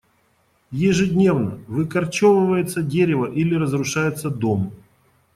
Ежедневно выкорчевывается дерево или разрушается дом.